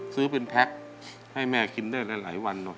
ซื้อเป็นแพ็คให้แม่ขินได้หลายหลายวันหน่อย